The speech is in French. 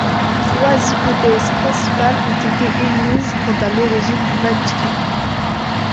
Trois hypothèses principales ont été émises quant à l'origine du manuscrit.